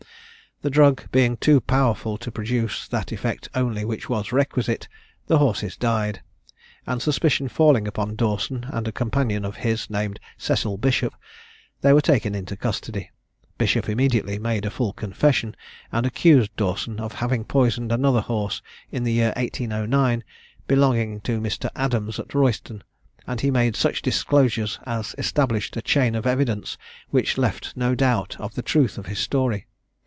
The drug being too powerful to produce that effect only which was requisite, the horses died, and suspicion falling upon Dawson and a companion of his named Cecil Bishop, they were taken into custody. Bishop immediately made a full confession, and accused Dawson of having poisoned another horse in the year 1809, belonging to a Mr. Adams at Royston, and he made such disclosures as established a chain of evidence which left no doubt of the truth of his story.